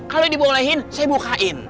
kalau dibolehin saya bukain